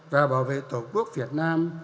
và bảo vệ tổ quốc việt nam